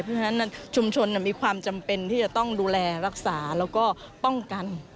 เพราะฉะนั้นชุมชนมีความจำเป็นที่จะต้องดูแลรักษาแล้วก็ป้องกัน